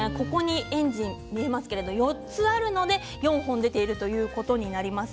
エンジンが見えますけれども４つあるので４本出ているということになります。